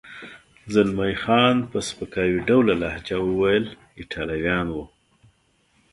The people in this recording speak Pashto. زلمی خان په سپکاوي ډوله لهجه وویل: ایټالویان و.